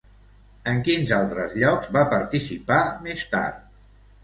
En quins altres llocs va participar més tard?